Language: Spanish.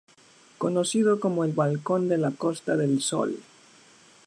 Conocido como el "Balcón de la Costa del Sol".